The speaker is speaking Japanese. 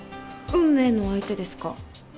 運命の相手ですか？